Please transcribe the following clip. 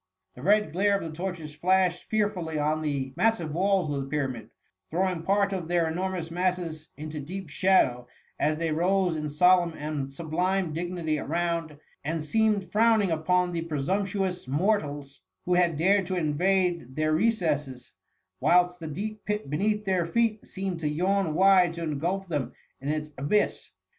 The red glare of the torches flashed fearfully on the mas sive walls of the Pyramid, throwing part of their enormous masses into deep shadow, as they rose in solemn and sublime dignity around, and seemed frowning upon the presumptuous mortals who had dared to invade their re cesses, whilst the deep pit beneath their feet seemed to yawn wide to engulf them in its abyss.